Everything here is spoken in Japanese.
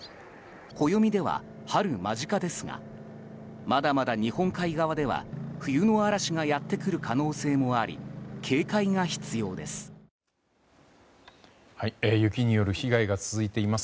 暦では春間近ですがまだまだ日本海側では冬の嵐がやってくる可能性もあり警戒が必要です。